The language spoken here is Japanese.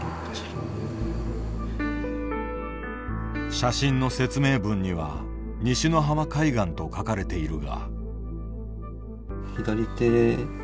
写真の説明文には「西之浜海岸」と書かれているが。